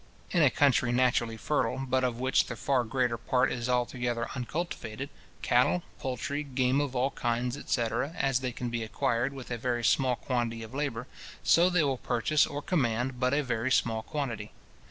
In a country naturally fertile, but of which the far greater part is altogether uncultivated, cattle, poultry, game of all kinds, etc. as they can be acquired with a very small quantity of labour, so they will purchase or command but a very small quantity.